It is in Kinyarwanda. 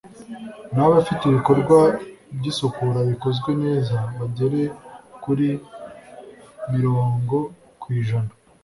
naho abafite ibikorwa by' isukura bikozwe neza bagere kuri mirongo ku ijana